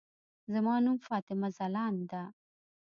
زما نوم فاطمه ځلاند ده.